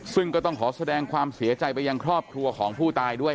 ซึ่งก็ต้องขอแสดงความเสียใจไปยังครอบครัวของผู้ตายด้วย